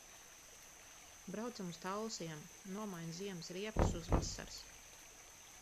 Braucam uz Talsiem. Nomainu ziemas riepas uz vasaras.